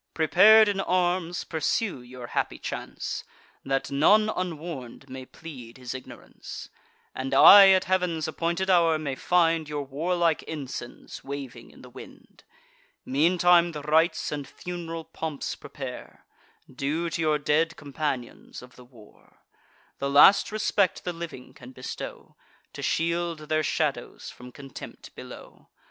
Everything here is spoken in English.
Prepar'd in arms, pursue your happy chance; That none unwarn'd may plead his ignorance, And I, at Heav'n's appointed hour, may find Your warlike ensigns waving in the wind. Meantime the rites and fun'ral pomps prepare, Due to your dead companions of the war: The last respect the living can bestow, To shield their shadows from contempt below.